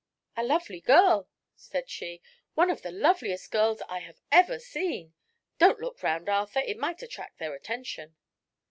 "A lovely girl," said she. "One of the loveliest girls I have ever seen. Don't look around, Arthur; it might attract their attention."